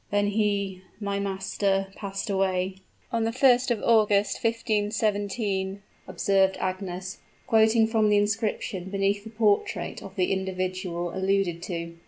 When he my master passed away " "On the 1st of August, 1517," observed Agnes, quoting from the inscription beneath the portrait of the individual alluded to.